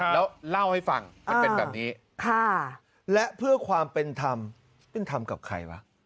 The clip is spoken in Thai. แล้วเล่าให้ฟังมันเป็นแบบนี้และเพื่อความเป็นธรรมซึ่งทำกับใครวะ